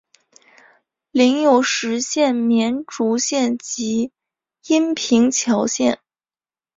领有实县绵竹县及阴平侨县。